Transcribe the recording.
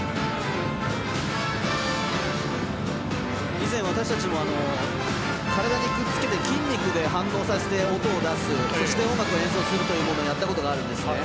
以前、私たちも体にくっつけて筋肉に反応させて、音を出すそして音楽を演奏するというものをやったことがあるんですね。